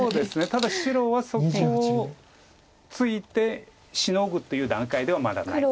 ただ白はそこをついてシノぐっていう段階ではまだない。